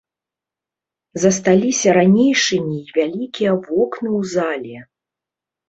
Засталіся ранейшымі і вялікія вокны ў зале.